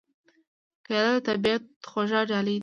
کېله د طبیعت خوږه ډالۍ ده.